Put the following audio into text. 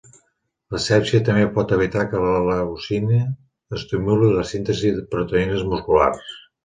La sèpsia també pot evitar que la leucina estimuli la síntesi de proteïnes musculars.